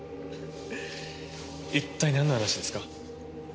一体なんの話ですか？